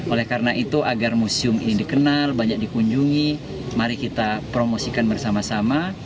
oleh karena itu agar museum ini dikenal banyak dikunjungi mari kita promosikan bersama sama